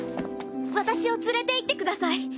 私を連れて行ってください。